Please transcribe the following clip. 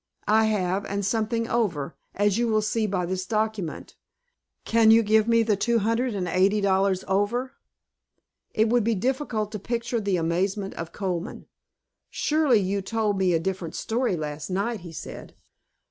"I have, and something over; as you will see by this document. Can you give me the two hundred and eighty dollars over?" It would be difficult to picture the amazement of Colman. "Surely, you told me a different story last night," he said.